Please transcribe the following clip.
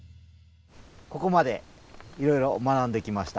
ここまでいろいろ学んできました。